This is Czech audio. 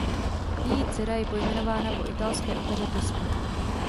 Její dcera je pojmenována po italské opeře "Tosca".